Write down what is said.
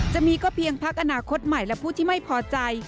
จะมีก็เพียงพักอนาคตใหม่และผู้ที่ไม่พอใจ